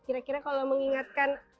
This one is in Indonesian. kira kira kalau mengingatkan